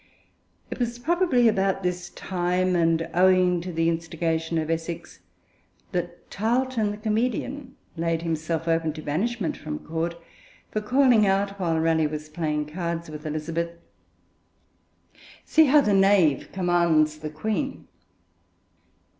It was probably about this time, and owing to the instigation of Essex, that Tarleton, the comedian, laid himself open to banishment from Court for calling out, while Raleigh was playing cards with Elizabeth, 'See how the Knave commands the Queen!'